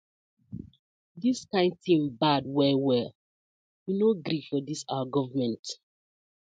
Dis kin tin bad well well, we no gree for dis our gofment.